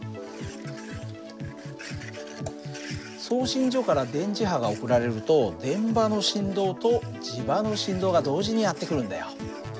送信所から電磁波が送られると電場の振動と磁場の振動が同時にやって来るんだよ。